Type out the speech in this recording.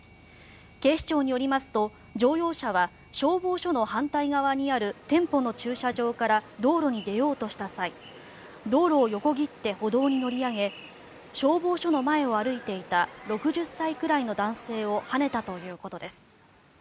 警視庁によりますと乗用車は、消防署の反対側にある店舗の駐車場から道路に出ようとした際道路を横切って歩道に乗り上げ消防署の前を歩いていた６０歳くらいの男性をはねたということです。